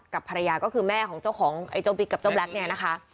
กับภรรยาก็คือแม่ของเจ้าของไอ้เจ้าบิ๊กกับเจ้าแล็คเนี่ยนะคะ